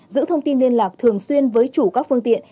giữ thông tin liên lạc thường xuyên với chủ các phương tiện